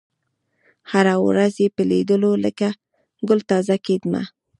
هره ورځ یې په لېدلو لکه ګل تازه کېدمه